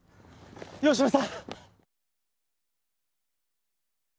吉野さん！